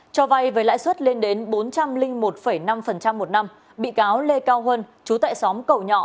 cho vay với lãi suất lên đến bốn trăm linh một năm một năm bị cáo lê cao huân chú tại xóm cầu nhỏ